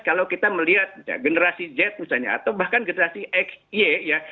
kalau kita melihat generasi z misalnya atau bahkan generasi x y ya